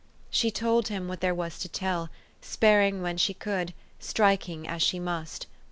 She told him what there was to tell, sparing when she could, striking as she must.